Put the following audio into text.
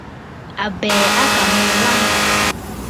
Àbɛ̀ɛ̀ à kà mə aa wanə.